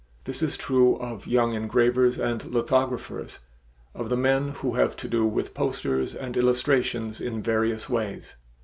This is true of young engravers and lithographers; of the men who have to do with posters and illustrations in various ways.